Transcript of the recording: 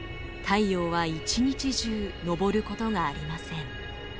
太陽は一日中昇ることがありません。